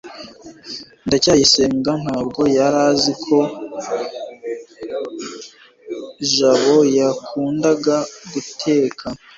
ndacyayisenga ntabwo yari azi ko jabo yakundaga guteka